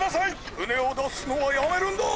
ふねをだすのはやめるんだ！